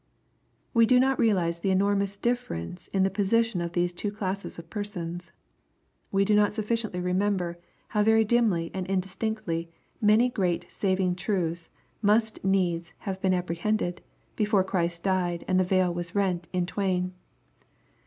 We do not realize the enormous difference in the position of these two classes of persons. We do not sufficiently remember how very dimly and indistinctly many great saving truths must needs have been apprehended, before Christ died and the veil was rent in twain.